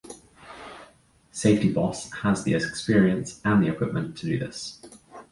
Safety Boss has the experience and the equipment to do this.